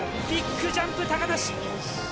ビッグジャンプ、高梨。